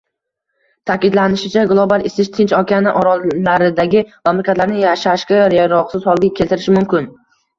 Ta’kidlanishicha, global isish Tinch okeani orollaridagi mamlakatlarni yashashga yaroqsiz holga keltirishi mumkin